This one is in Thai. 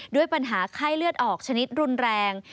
ด้วยปัญหาไข้เลือดออกชนิดรุนแรง